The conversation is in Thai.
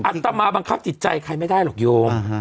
อัตมาบังคับจิตใจใครไม่ได้หรอกโยม